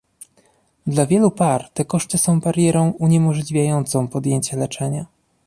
Dla wielu par te koszty są barierą uniemożliwiającą podjęcie leczenia